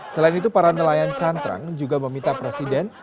selain itu para nelayan cantrang juga meminta presiden